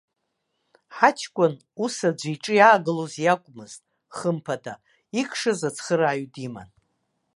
Ҳаҷкәын ус аӡәы иҿы иаагылоз иакәмызт, хымԥада, икшаз ацхырааҩ диман!